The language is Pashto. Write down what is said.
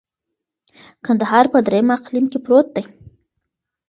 کندهار په دریم اقلیم کي پروت دی.